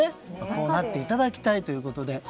こうなっていただきたいということで。